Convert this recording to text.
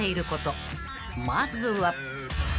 ［まずは］